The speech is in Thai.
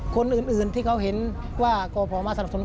คนอื่นที่เขาเห็นว่ากรพมาสนับสนุน